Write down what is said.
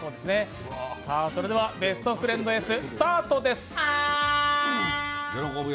それでは「ベストフレンドＳ」スタートです。